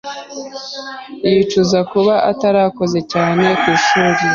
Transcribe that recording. Yicuza kuba atarakoze cyane ku ishuri.